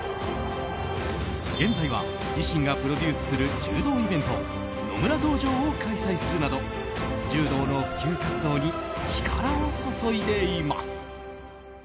現在は自身がプロデュースする柔道イベント野村道場を開催するなど柔道の普及活動に力を注いでいます。